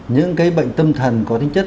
những cái bệnh tâm thần có tính chất